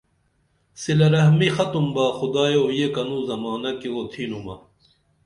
صلی رحمی ختُم با خدایو یہ کنوں زمانہ کی اُوتِھنُمہ